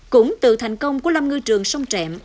cũng từ thành công của lâm ngư trường sông trẹm